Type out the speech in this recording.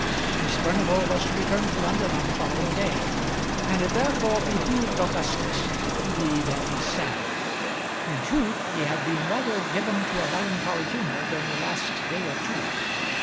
Miss Furnival was to return to London on the following day, and it therefore behoved Augustus to be very sad. In truth he had been rather given to a melancholy humour during the last day or two.